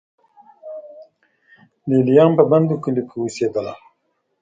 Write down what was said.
لې لیان په بندو کلیو کې اوسېدل